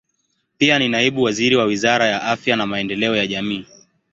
Pia ni naibu waziri wa Wizara ya Afya na Maendeleo ya Jamii.